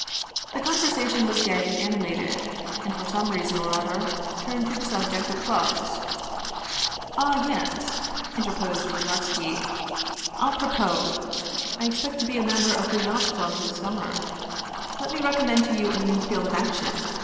The conversation was gay and animated, and for some reason or other turned to the subject of clubs. " Ah, yes," interposed Bodlevski, " a propos! I expect to be a member of the Yacht Club this summer. Let me recommend to you a new field of action.